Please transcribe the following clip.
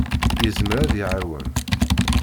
Yezmer ad d-iɛawen.